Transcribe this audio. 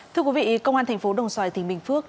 thưa quý vị công an thành phố đồng xoài tỉnh bình phước